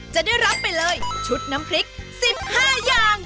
จะได้รับไปเลยชุดน้ำพริก๑๕อย่าง